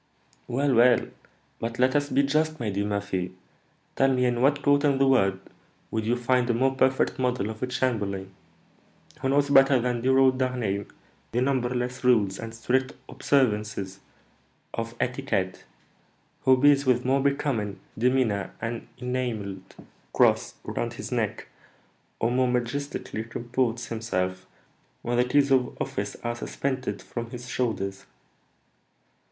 "Well, well; but let us be just, my dear Murphy: tell me, in what court in the world would you find a more perfect model of a chamberlain? Who knows better than dear old D'Harneim the numberless rules and strict observances of etiquette? Who bears with more becoming demeanour an enamelled cross around his neck, or more majestically comports himself when the keys of office are suspended from his shoulders?"